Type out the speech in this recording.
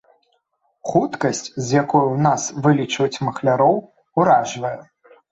Хуткасць, з якой у нас вылічаюць махляроў, уражвае.